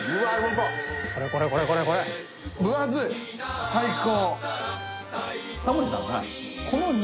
そうこれこれこれこれこれ分厚い最高！